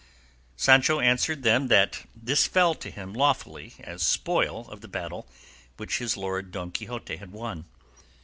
Sancho answered them that this fell to him lawfully as spoil of the battle which his lord Don Quixote had won.